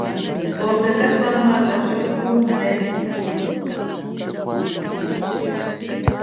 Ngombe kathama kashithu munene